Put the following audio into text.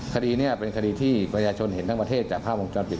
คดีนี้เป็นคดีที่ประชาชนเห็นทั้งประเทศจากภาพวงจรปิด